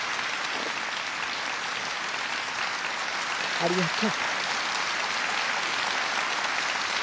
ありがとう。